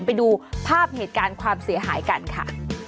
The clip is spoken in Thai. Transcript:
ไปดูภาพเหตุการณ์ความเสียหายกันค่ะ